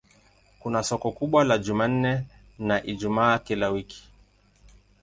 Kuna soko kubwa la Jumanne na Ijumaa kila wiki.